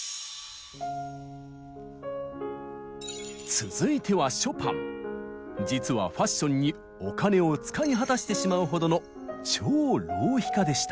続いては実はファッションにお金を使い果たしてしまうほどの超浪費家でした。